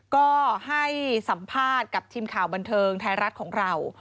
ก็ให้สัมภาษณ์กับทีมข่าวบันเทิงไทยรัฐของเรา